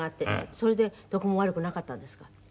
それでどこも悪くなかったんですか？